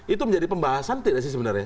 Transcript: itu menjadi pembahasan tidak sih sebenarnya